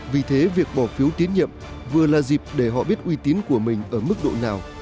vì thế việc bỏ phiếu tín nhiệm vừa là dịp để họ biết uy tín của mình ở mức độ nào